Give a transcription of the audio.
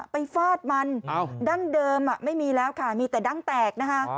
ฟาดมันดั้งเดิมไม่มีแล้วค่ะมีแต่ดั้งแตกนะคะ